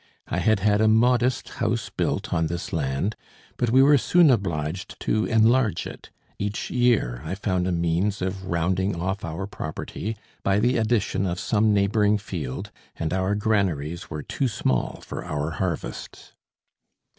I had had a modest house built on this land, but we were soon obliged to enlarge it; each year I found a means of rounding off our property by the addition of some neighbouring field, and our granaries were too small for our harvests.